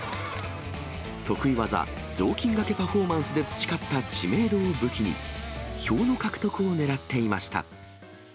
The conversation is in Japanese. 得意技、雑巾がけパフォーマンスで培った知名度を武器に、票の獲得をねらっていました。